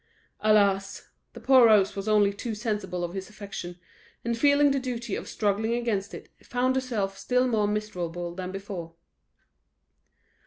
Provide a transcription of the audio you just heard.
Alas! the poor Rose was only too sensible of his affection, and feeling the duty of struggling against it, found herself still more miserable than before.